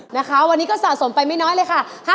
นะคะวันนี้ก็สะสมไปไม่น้อยเลยค่ะ